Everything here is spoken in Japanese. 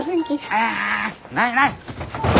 ああないない！